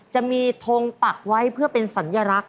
จะมีทงปักไว้เพื่อเป็นสัญลักษณ